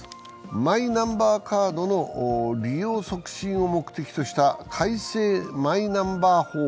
マイナンバーカードの利用促進を目的とした改正マイナンバー法。